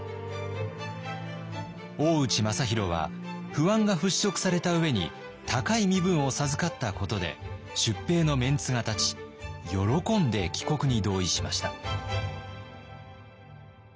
大内政弘は不安が払拭された上に高い身分を授かったことで出兵のメンツが立ち喜んで帰国に同意しました。